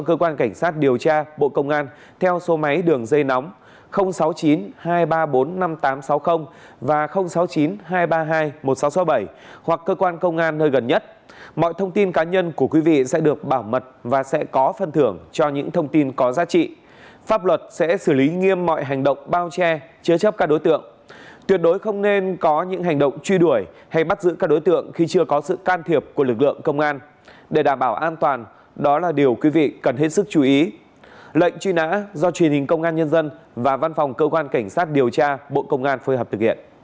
cơ quan cảnh sát điều tra công an huyện thuận nam tỉnh bình thuận tỉnh bình phước để điều tra về hành vi chống người thi hành công vụ